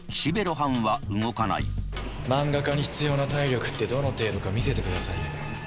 漫画家に必要な体力ってどの程度か見せてくださいよ。